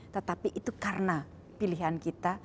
tetapi itu karena pilihan kita